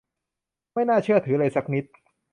ไม่น่าเชื่อถือเลยสักนิด !